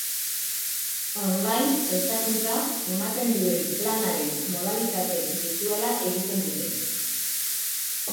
On-line Prestakuntza ematen duen Planaren modalitate birtuala egiten dute.